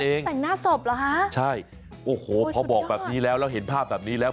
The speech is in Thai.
แต่งหน้าศพเหรอฮะใช่โอ้โหพอบอกแบบนี้แล้วแล้วเห็นภาพแบบนี้แล้ว